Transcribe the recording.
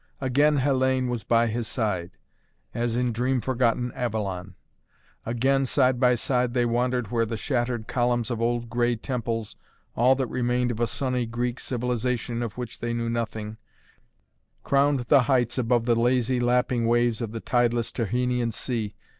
Again Hellayne was by his side, as in dream forgotten Avalon. Again side by side they wandered where the shattered columns of old grey temples, all that remained of a sunny Greek civilization of which they knew nothing, crowned the heights above the lazy lapping waves of the tideless Tyrrhenian sea.